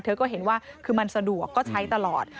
เธอก็เห็นว่าคือมันสะดวกก็ใช้ตลอด